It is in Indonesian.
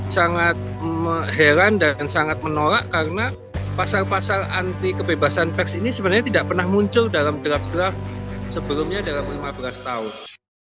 sangat heran dan sangat menolak karena pasal pasal anti kebebasan pers ini sebenarnya tidak pernah muncul dalam draft draft sebelumnya dalam lima belas tahun